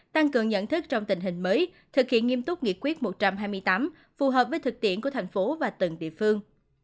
tăng cường nhận thức trong tình hình mới thực hiện nghiêm túc nghị quyết một trăm hai mươi tám phù hợp với thực tiễn của thành phố và từng địa phương